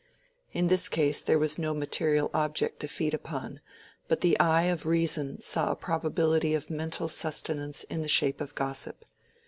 In this case there was no material object to feed upon, but the eye of reason saw a probability of mental sustenance in the shape of gossip.